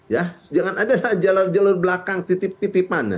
ya jangan ada jalur jalur belakang titip titipannya